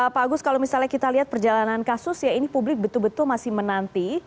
pak agus kalau misalnya kita lihat perjalanan kasus ya ini publik betul betul masih menanti